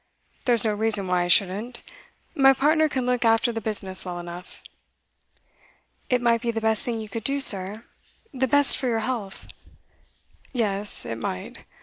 There's no reason why I shouldn't. My partner can look after the business well enough.' 'It might be the best thing you could do, sir. The best for your health.' 'Yes, it might.